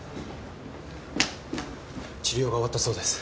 治療が終わったそうです。